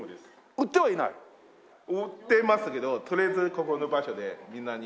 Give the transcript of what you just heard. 売ってますけどとりあえずここの場所でみんなに。